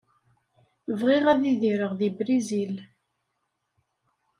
Bɣiɣ ad idireɣ di Brizil.